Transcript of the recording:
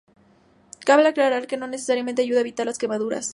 Cabe aclarar que no necesariamente ayuda a evitar las quemaduras.